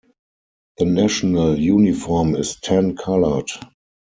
The national uniform is tan-colored.